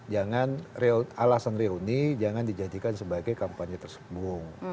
jangan alasan reuni jangan dijadikan sebagai kampanye tersembung